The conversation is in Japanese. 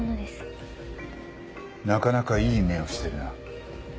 なかなかいい目をしてるな。